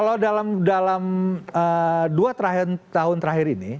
kalau dalam dua tahun terakhir ini